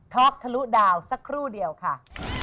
อกทะลุดาวสักครู่เดียวค่ะ